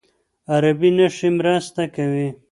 عربي نښې مرسته کوي.